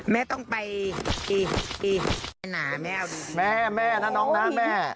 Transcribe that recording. แม่น่ะน้องนะ